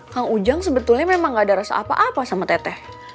kang ujang sebetulnya memang gak ada rasa apa apa sama teteh